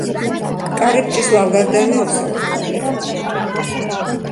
კარიბჭის ლავგარდანი ორსაფეხურიანია.